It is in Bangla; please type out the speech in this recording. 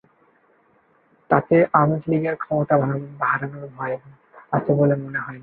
তাতে আওয়ামী লীগের ক্ষমতা হারানোর ভয় আছে বলে মনে হয় না।